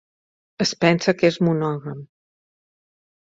Es pensa que és monògam.